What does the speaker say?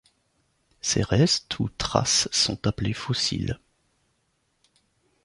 Ces restes ou traces sont appelés fossiles.